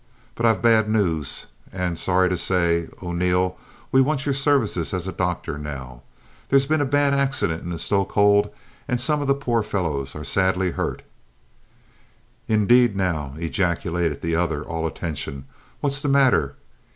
"But I've bad news, and sorry to say, O'Neil, we want your services as a doctor now. There's been a bad accident in the stoke hold and some of the poor fellows are sadly hurt." "Indade, now!" ejaculated the other, all attention. "What's the matter?